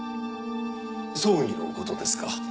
葬儀のことですか？